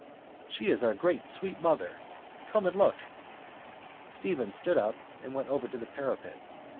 _ She is our great sweet mother. Come and look. Stephen stood up and went over to the parapet.